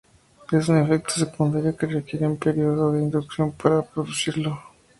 Es un efecto secundario que requiere un período de inducción para producirlo.